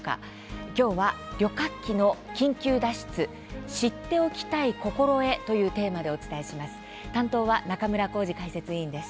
今日は「旅客機の緊急脱出知っておきたい心得」というテーマでお伝えします。